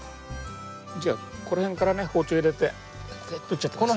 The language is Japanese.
じゃあこの辺からね包丁入れてとっちゃって下さい。